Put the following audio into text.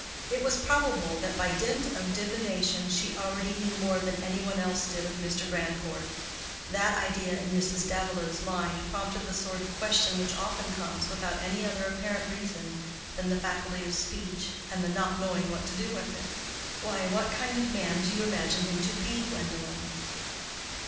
It was probable that by dint of divination she already knew more than any one else did of Mr. Grandcourt. That idea in Mrs. Davilow's mind prompted the sort of question which often comes without any other apparent reason than the faculty of speech and the not knowing what to do with it. "Why, what kind of a man do you imagine him to be, Gwendolen?"